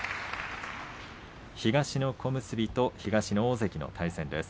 東の小結と東の大関との対戦です。